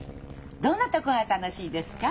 どんなところが楽しいですか？